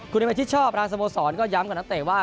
คุณเอเมชิดชอบทางสโมสรก็ย้ำกับนักเตะว่า